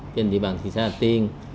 trên địa bàn thị xã hà tiên